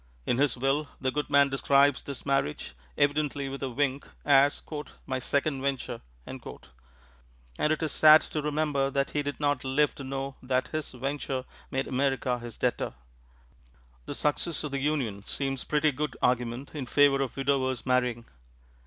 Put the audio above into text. In his will the good man describes this marriage, evidently with a wink, as "my second Venture." And it is sad to remember that he did not live to know that his "Venture" made America his debtor. The success of the union seems pretty good argument in favor of widowers marrying.